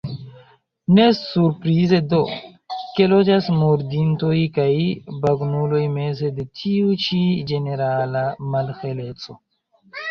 Ne surprize do, ke loĝas murdintoj kaj bagnuloj meze de tiu ĉi ĝenerala malheleco.